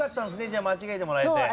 じゃあ間違えてもらえて。